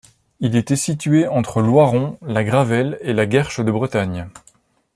Il était situé entre Loiron, La Gravelle et La Guerche-de-Bretagne.